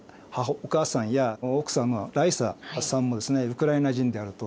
お母さんや奥さまライサさんもウクライナ人であると。